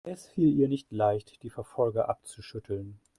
Es fiel ihr nicht leicht, die Verfolger abzuschütteln.